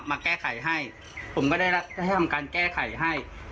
มาแก้ไขให้ผมก็ได้ให้ทำการแก้ไขให้